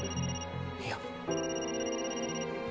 いや。